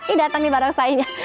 ih datang nih barongsainya